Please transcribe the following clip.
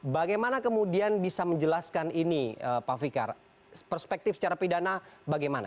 bagaimana kemudian bisa menjelaskan ini pak fikar perspektif secara pidana bagaimana